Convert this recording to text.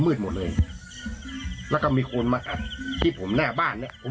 มาถ่ายคลิปสำหรับโคม